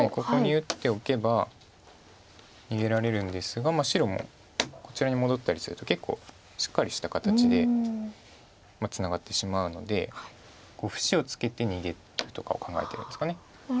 ここに打っておけば逃げられるんですが白もこちらに戻ったりすると結構しっかりした形でツナがってしまうので節をつけて逃げるとかを考えてるんですかね。